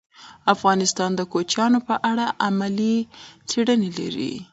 افغانستان د کوچیان په اړه علمي څېړنې لري.